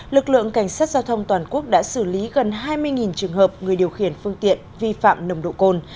lực lượng cảnh sát giao thông toàn quốc đã xử lý gần hai mươi trường hợp người điều khiển phương tiện vi phạm nồng độ cồn